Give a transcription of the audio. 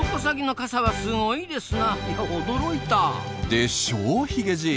でしょうヒゲじい。